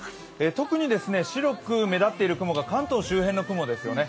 特に白く目立っている雲が関東周辺の雲ですよね。